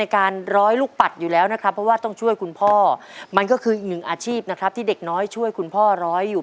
ไอ้เสร็จแล้วไปวางไปรอไอ้เลยนะลูก